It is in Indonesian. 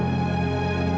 gak ada apa apa